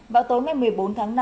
vào tối ngày một mươi bốn tháng năm